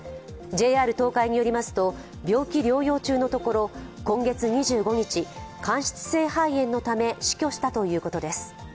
ＪＲ東海によりますと、病気療養中のところ今月２５日、間質性肺炎のため死去したということです。